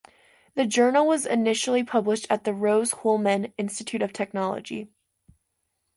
The journal was initially published at the Rose-Hulman Institute of Technology.